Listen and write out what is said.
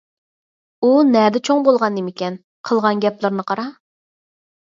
ئۇ نەدە چوڭ بولغان نېمىكەن؟ قىلغان گەپلىرىنى قارا.